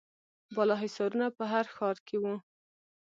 بالاحصارونه په هر ښار کې وو